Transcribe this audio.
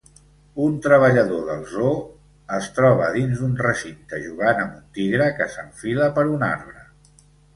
Un treballador del zoo es troba dins d'un recinte jugant amb un tigre que s'enfila per un arbre